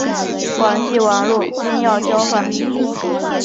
网际网路金钥交换。